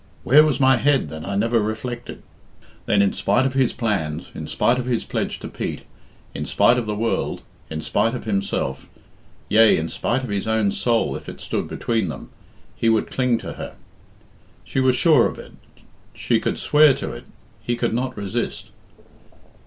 Where was my head that I never reflected?" Then, in spite of his plans, in spite of his pledge to Pete, in spite of the world, in spite of himself yea, in spite of his own soul if it stood between them he would cling to her; she was sure of it she could swear to it he could not resist.